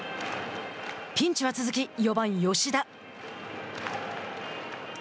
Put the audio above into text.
ピンチは続き、４番吉田。